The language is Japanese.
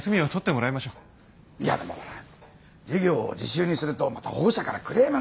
いやでも授業を自習にするとまた保護者からクレームが。